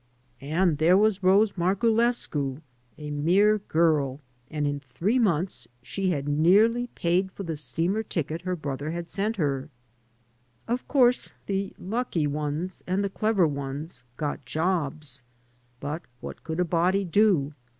And there was Rose Marculescu, a mere girl, and in three months she had nearly paid for the steamer ticket her brother had sent her. Of course the lucky ones and the clever ones got jobs. But what could a body do?